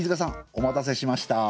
お待たせしました。